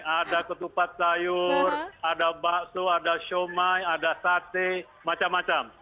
ada ketupat sayur ada bakso ada shomai ada sate macam macam